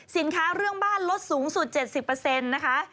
เรื่องบ้านลดสูงสุด๗๐นะคะ